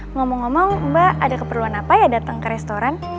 ngomong ngomong mbak ada keperluan apa ya datang ke restoran